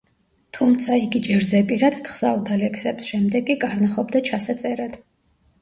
თუმცა, იგი ჯერ ზეპირად თხზავდა ლექსებს, შემდეგ კი კარნახობდა ჩასაწერად.